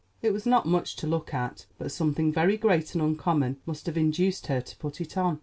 It was not much to look at; but something very great and uncommon must have induced her to put it on.